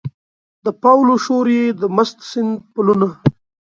د پاولو شور یې د مست سیند پلونه